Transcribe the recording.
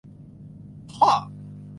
ข้อ